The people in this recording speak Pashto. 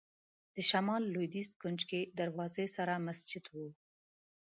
د شمال لوېدیځ کونج کې دروازې سره مسجد و.